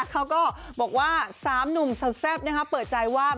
เขาก็บอกว่า๓หนุ่มสดแซ่บเปิดใจว่า